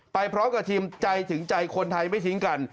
ไปพร้อมกับทีมใจถึงใจคนไทยไม่ทิ้งกัน